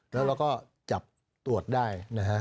แล้วเราก็จับตรวจได้